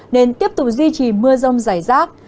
nên tiếp tục duy trì mưa rông rải rác